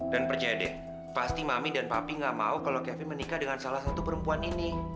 dan percaya deh pasti mami dan papi nggak mau kalau kevin menikah dengan salah satu perempuan ini